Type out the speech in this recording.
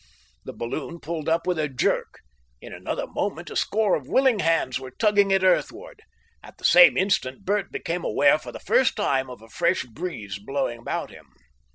The balloon pulled up with a jerk. In another moment a score of willing hands were tugging it earthward. At the same instant Bert became aware for the first time of a fresh breeze blowing about him.